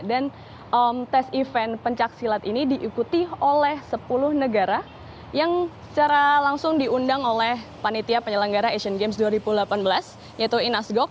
dan tes event pencaksilat ini diikuti oleh sepuluh negara yang secara langsung diundang oleh panitia penyelenggara asian games dua ribu delapan belas yaitu indasgok